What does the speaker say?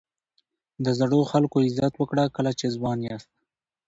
د زړو خلکو عزت وکړه کله چې ځوان یاست.